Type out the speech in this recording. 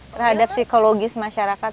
terhadap psikologis masyarakat